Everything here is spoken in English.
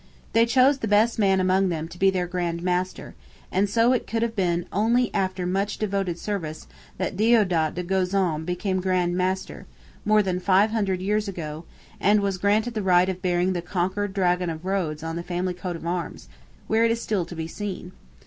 They chose the best man among them to be their Grand Master; and so it could have been only after much devoted service that Deodat de Gozon became Grand Master, more than five hundred years ago, and was granted the right of bearing the conquered Dragon of Rhodes on the family coat of arms, where it is still to be seen.